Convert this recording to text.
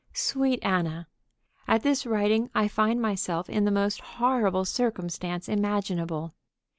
_ SWEET ANNA: At this writing I find myself in the most horrible circumstance imaginable.